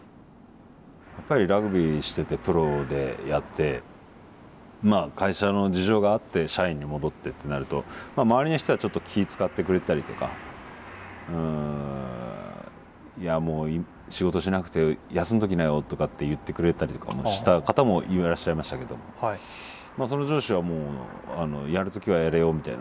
やっぱりラグビーしててプロでやってまあ会社の事情があって社員に戻ってってなるとまあ周りの人はちょっと気ぃ遣ってくれてたりとかいやもう仕事しなくて休んどきなよとかって言ってくれてたりとかもした方もいらっしゃいましたけどもまあその上司はもうやる時はやれよみたいな。